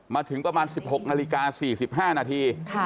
มาถึงประมาณ๑๖นาฬิกา๔๕นาที